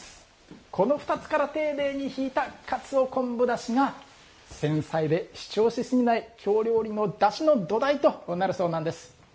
この２つから丁寧に引いたかつお昆布だしが繊細で主張し過ぎない京料理のだしの土台となるそうなんです。